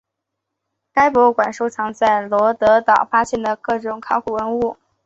该博物馆收藏在罗得岛发现的各种考古文物。